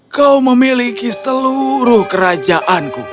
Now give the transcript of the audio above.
kau memiliki seluruh kerajaanku